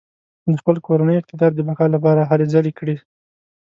د خپل کورني اقتدار د بقا لپاره هلې ځلې کړې.